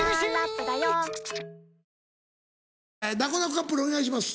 カップルお願いします。